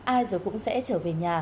ai rồi cũng sẽ trở về nhà